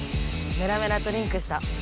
メラメラとリンクした。